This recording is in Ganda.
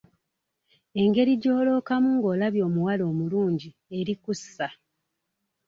Engeri gy'olookamu ng'olabye omuwala omulungi eri kussa.